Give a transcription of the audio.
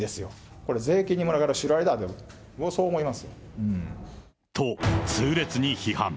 これ、税金に群がるシロアリだと、そう思いますよ。と、痛烈に批判。